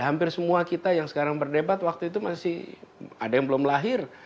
hampir semua kita yang sekarang berdebat waktu itu masih ada yang belum lahir